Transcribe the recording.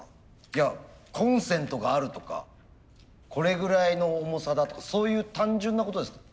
いやコンセントがあるとかこれぐらいの重さだとかそういう単純なことですか？